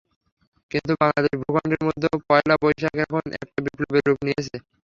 কিন্তু বাংলাদেশ ভূখণ্ডের মধ্যে পয়লা বৈশাখ এখন একটা বিপ্লবে রূপ নিয়েছে।